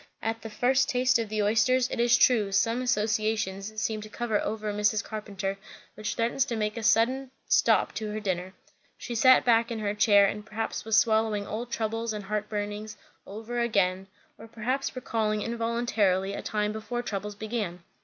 At the first taste of the oysters, it is true, some associations seemed to come over Mrs. Carpenter which threatened to make a sudden stop to her dinner. She sat back in her chair, and perhaps was swallowing old troubles and heartburnings over again, or perhaps recalling involuntarily a time before troubles began.